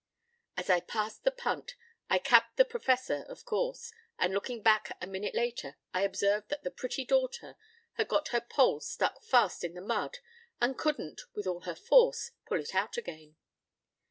As I passed the punt, I capped the Professor, of course, and looking back a minute later I observed that the pretty daughter had got her pole stuck fast in the mud, and couldn't, with all her force, pull it out again.